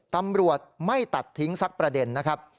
ตำรวจไม่ตัดทิ้งสักประเด็นนะครับ